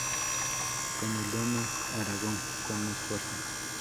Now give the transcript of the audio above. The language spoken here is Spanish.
Con el lema "Aragón con más fuerza.